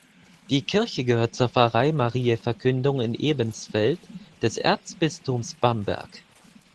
Die Kirche gehört zur Pfarrei Mariä Verkündigung in Ebensfeld des Erzbistums Bamberg.